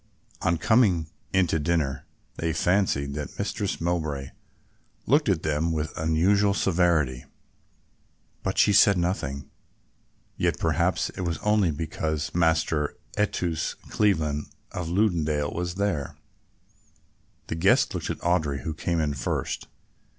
On coming in to dinner they fancied that Mistress Mowbray looked at them with unusual severity, but she said nothing, yet perhaps it was only because Master Eustace Cleveland of Lunedale was there. The guest looked at Audry, who came in first.